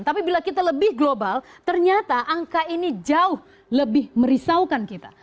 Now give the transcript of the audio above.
tapi bila kita lebih global ternyata angka ini jauh lebih merisaukan kita